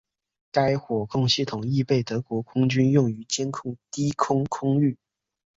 该火控系统亦被德国空军用于监控低空空域。